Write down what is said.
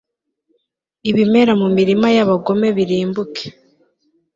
ibimera mu mirima y'abagome birimbuke